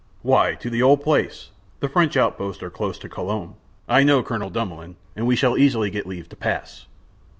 "Why, to the old place. The French outposts are close to Colombes. I know Colonel Dumoulin, and we shall easily get leave to pass."